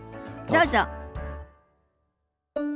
どうぞ。